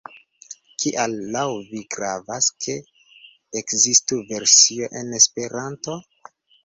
Kial laŭ vi gravas, ke ekzistu versio en Esperanto?